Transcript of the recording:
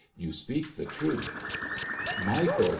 ' You speak the truth.' ' Michael